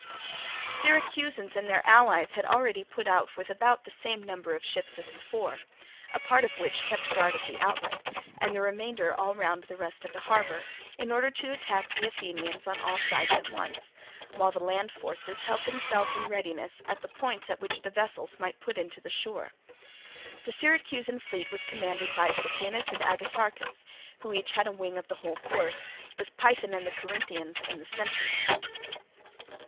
The Syracusans and their allies had already put out with about the same number of ships as before, a part of which kept guard at the outlet, and the remainder all round the rest of the harbour, in order to attack the Athenians on all sides at once; while the land forces held themselves in readiness at the points at which the vessels might put into the shore. The Syracusan fleet was commanded by Sicanus and Agatharchus, who had each a wing of the whole force, with Pythen and the Corinthians in the centre.